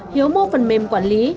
hiếu mô phần mềm quản lý